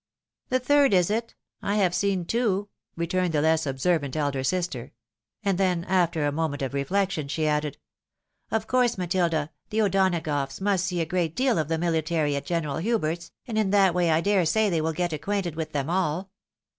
"The third, is it? I have seen two," returned the less observant elder sister ; and then, after a moment of reflection, she added, " Of course, Matilda, the O'Donagoughs must see a great deal of the mihtary at General Hubert's, and in that way I dare say they wiU get acquainted with them all."